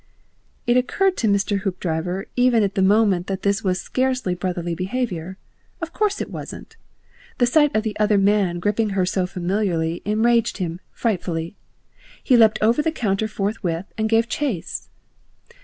It occurred to Mr. Hoopdriver even at the moment that this was scarcely brotherly behaviour. Of course it wasn't! The sight of the other man gripping her so familiarly enraged him frightfully; he leapt over the counter forthwith and gave chase.